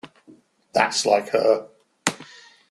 That's like her.